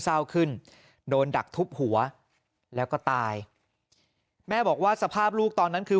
เศร้าขึ้นโดนดักทุบหัวแล้วก็ตายแม่บอกว่าสภาพลูกตอนนั้นคือ